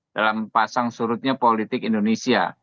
dalam pasang surutnya politik indonesia